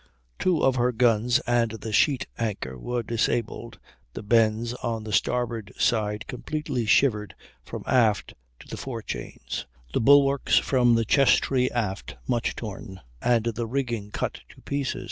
Two of her guns and the sheet anchor were disabled, the bends on the starboard side completely shivered from aft to the forechains, the bulwarks from the chess tree aft much torn, and the rigging cut to pieces.